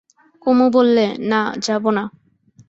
কুমু বললে, না, যাব না।